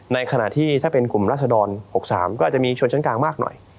ในขณะที่ถ้าเป็นกลุ่มรัศดร๖๓ก็อาจจะมีชนชั้นกลางมากหน่อย